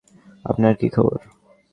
আপনার কি খবর?